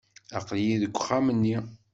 Aql-iyi deg uxxam-nni.